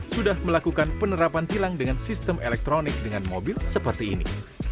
sudah melakukan penerapan tilang dengan sistem elektronik dengan mobil seperti ini